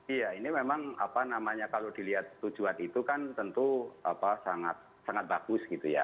iya ini memang apa namanya kalau dilihat tujuan itu kan tentu sangat bagus gitu ya